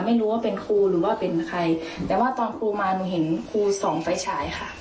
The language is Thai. ไม่รู้ว่าเป็นครูหรือว่าเป็นใครแต่ว่าตอนครูมาหนูเห็นครูส่องไฟฉายค่ะ